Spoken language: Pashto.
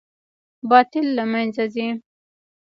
باطل له منځه ځي